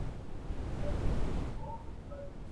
ظالمه زمانه ده جهاني له چا به ژاړو!